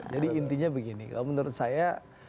jadi intinya begini kalau menurut saya